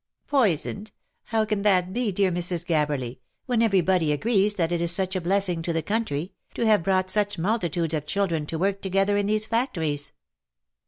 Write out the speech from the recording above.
"Poisoned? How can that be, dear Mrs. Gabberly, when every body agrees that it is such a blessing to the country, to have brought such multitudes of children to work together in these factories